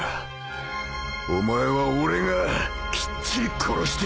お前は俺がきっちり殺してやる。